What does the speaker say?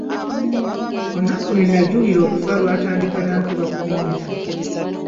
Olunaku lwe najulira okufa lwatandika na nkuba kutonnya.